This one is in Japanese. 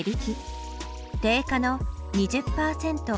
定価の２０％割引。